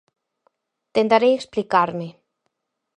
Tentarei explicarme.